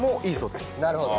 なるほど。